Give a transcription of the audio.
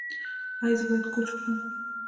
ایا زه باید کوچ وخورم؟